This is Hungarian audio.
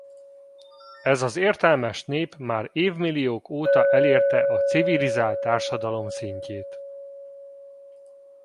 Ez az értelmes nép már évmilliók óta elérte a civilizált társadalom szintjét.